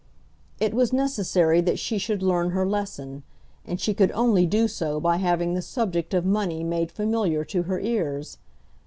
It was necessary that she should learn her lesson, and she could only do so by having the subject of money made familiar to her ears.